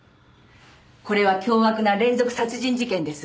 これは凶悪な連続殺人事件です。